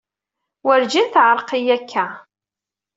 Werǧin teɛreq-iyi akka.